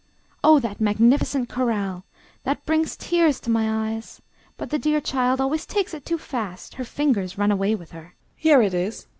Oh, that magnificent choral! That brings tears to my eyes! But the dear child always takes it too fast: her fingers run away with her. MRS. N. Here it is.